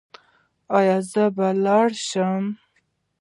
ایا زه باید لاړ شم؟